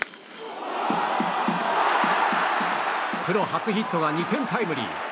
プロ初ヒットが２点タイムリー。